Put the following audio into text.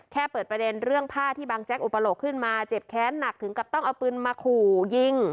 แค่เปิดประเด็นเรื่องผ้าที่บางแจ๊กอุปโลกขึ้นมาเจ็บแค้นหนักถึงกับต้องเอาปืนมาขู่ยิง